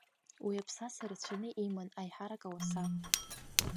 Уи аԥсаса рацәаны иман, аиҳарак ауаса.